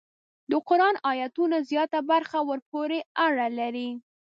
د قران ایتونو زیاته برخه ورپورې اړه لري.